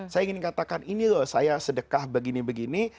saya ingin katakan ini loh saya sedekah begini begini